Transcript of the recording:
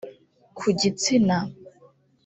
ku gitsina